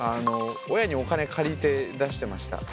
親にお金借りて出してました。